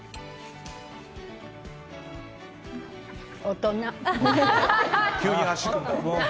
大人！